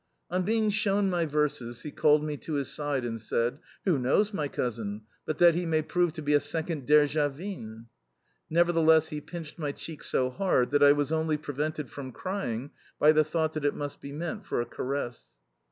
On being shown my verses, he called me to his side, and said: "Who knows, my cousin, but that he may prove to be a second Derzhavin?" Nevertheless he pinched my cheek so hard that I was only prevented from crying by the thought that it must be meant for a caress.